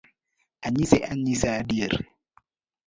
Anyise anyisa adier